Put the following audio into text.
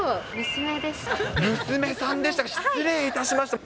娘さんでしたか、失礼いたしました。